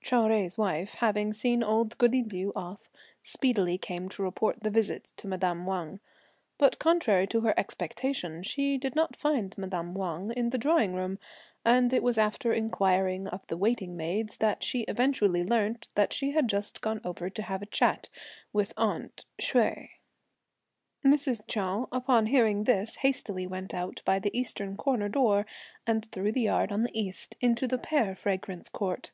Chou Jui's wife having seen old goody Liu off, speedily came to report the visit to madame Wang; but, contrary to her expectation, she did not find madame Wang in the drawing room; and it was after inquiring of the waiting maids that she eventually learnt that she had just gone over to have a chat with "aunt" Hsüeh. Mrs. Chou, upon hearing this, hastily went out by the eastern corner door, and through the yard on the east, into the Pear Fragrance Court.